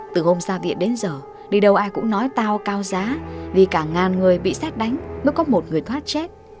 từ hôm ra viện đến giờ đi đâu ai cũng nói tao cao giá vì cả ngàn người bị xét đánh mới có một người thoát chết